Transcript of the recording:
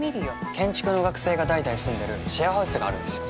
建築の学生が代々住んでるシェアハウスがあるんですよ